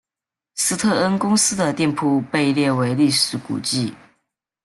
斯特恩公司的店铺被列为历史古迹。